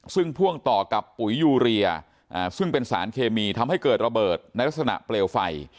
ซึ่งพ่วงต่อกับปุ๋ยยูเรียซึ่งเป็นสารเคมีทำให้เกิดระเบิดในลักษณะเปลวไฟ